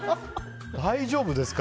大丈夫ですか？